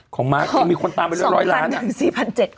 ของมาร์ทยังมีคุณตามไปเรื่อยร้านอะ